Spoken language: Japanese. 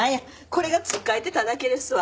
これがつっかえてただけですわ。